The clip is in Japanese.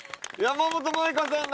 山本舞香さん！